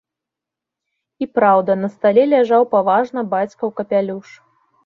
І праўда, на стале ляжаў паважна бацькаў капялюш.